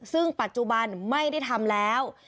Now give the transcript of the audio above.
ซึ่งปัจจุบันไม่ได้ทำแล้ว